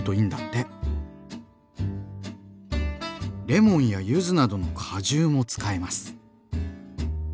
レモンやゆずなどの果汁も使えます。